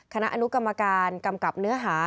คณะอนุกรรมการกำกับเนื้อหา